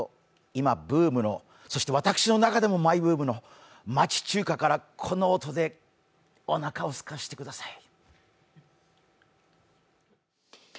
今、ブームの、そして私の中でもマイブームの町中華からこの音でおなかをすかせてください。